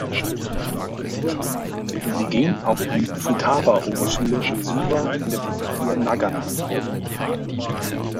Sie ging auf die Futaba-Oberschule in Suwa in der Präfektur Nagano.